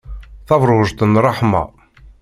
Tabṛujt n ṛṛeḥma.